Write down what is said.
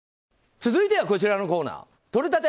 続いてはこちらのコーナーとれたて！